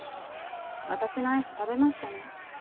私のアイス食べましたね。